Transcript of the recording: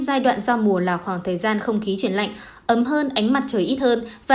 giai đoạn giao mùa là khoảng thời gian không khí chuyển lạnh ấm hơn ánh mặt trời ít hơn và